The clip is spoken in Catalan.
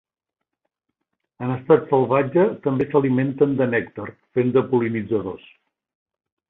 En estat salvatge, també s'alimenten de nèctar, fent de pol·linitzadors.